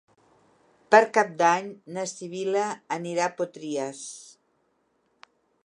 Per Cap d'Any na Sibil·la anirà a Potries.